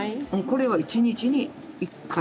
これは１日に１回。